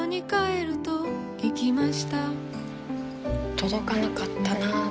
届かなかったな。